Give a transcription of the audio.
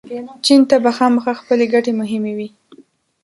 چین ته به خامخا خپلې ګټې مهمې وي.